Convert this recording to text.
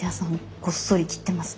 ごっそり切ってますね。